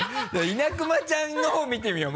稲熊ちゃんのほう見てみよう